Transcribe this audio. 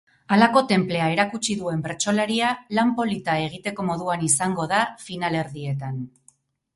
Halako tenplea erakutsi duen bertsolaria lan polita egiteko moduan izango da finalerdietan.